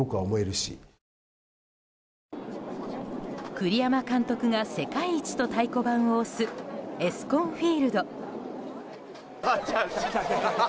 栗山監督が世界一と太鼓判を押すエスコンフィールド。